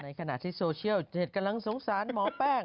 ขณะที่โซเชียลเจ็ตกำลังสงสารหมอแป้ง